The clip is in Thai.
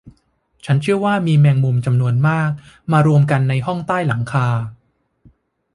ฉันเชื่อว่ามีแมงมุมจำนวนมากมารวมกันในห้องใต้หลังคา